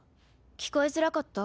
聞こえづらかった？